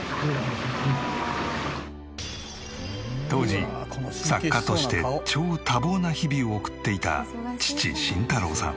当時作家として超多忙な日々を送っていた父慎太郎さん。